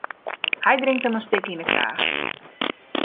Hy drinkt him in stik yn 'e kraach.